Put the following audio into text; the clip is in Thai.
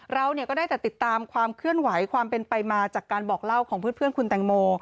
เราก็ได้แต่ติดตามความเคลื่อนไหวความเป็นไปมาจากการบอกเล่าของเพื่อนคุณแตงโม